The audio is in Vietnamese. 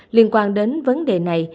liên quan đến vấn đề này